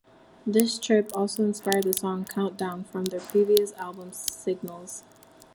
This trip also inspired the song Countdown, from their previous album Signals.